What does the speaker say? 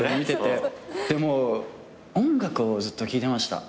音楽をずっと聞いてました。